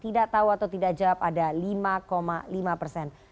tidak tahu atau tidak jawab ada lima lima persen